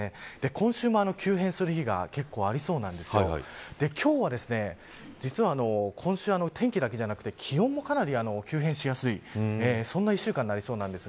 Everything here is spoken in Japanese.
今週も急変する日が結構ありそうなんですけど今日は実は今週、天気だけじゃなくて気温もかなり急変しやすいそんな１週間になりそうです。